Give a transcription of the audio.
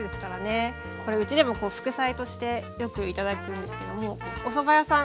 これうちでも副菜としてよく頂くんですけどもおそば屋さん